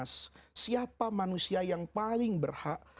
siapa manusia yang paling berhak